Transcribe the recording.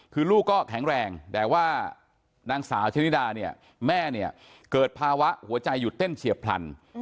คือลูกก็แข็งแรงแต่ว่านางสาวชนิดาเนี่ยแม่เนี่ยเกิดภาวะหัวใจหยุดเต้นเฉียบพลัน